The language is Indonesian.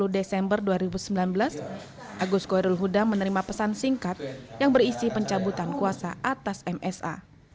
dua puluh desember dua ribu sembilan belas agus khoirul huda menerima pesan singkat yang berisi pencabutan kuasa atas msa